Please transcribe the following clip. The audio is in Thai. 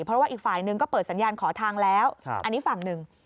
เพราะว่าอีกฝ่ายหนึ่งก็เปิดสัญญาณขอทางแล้วอันนี้ฝั่งหนึ่ง